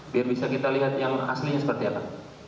biar bisa kita lihat yang aslinya seperti apa